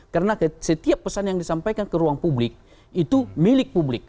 karena setiap pesan yang disampaikan ke ruang publik itu milik publik